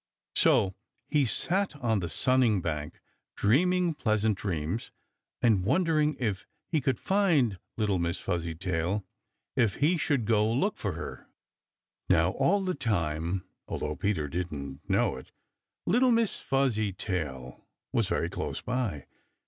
So he sat on the sunning bank, dreaming pleasant dreams and wondering if he could find little Miss Fuzzytail if he should go look for her. Now all the time, although Peter didn't know it, little Miss Fuzzytail was very close by.